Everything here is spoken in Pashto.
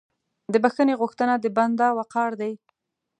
د بخښنې غوښتنه د بنده وقار دی.